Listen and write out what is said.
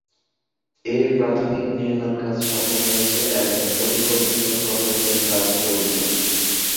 এর প্রাথমিক নির্মাণকাজ সফল হয়েছে এবং পরিকল্পিত প্রকল্পের কাজ চলছে।